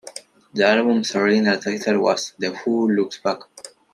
The album's original title was "The Who Looks Back".